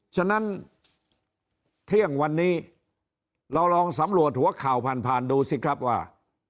ฉะนั้นเที่ยงวันนี้เราลองสำรวจหัวข่าวผ่านผ่านดูสิครับว่า